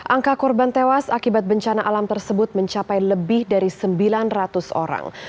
angka korban tewas akibat bencana alam tersebut mencapai lebih dari sembilan ratus orang